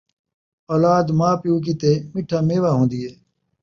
اولاد ماء پیو کیتے مٹھا میوہ ہوندی ہے